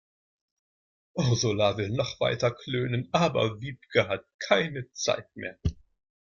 Ursula will noch weiter klönen, aber Wiebke hat keine Zeit mehr.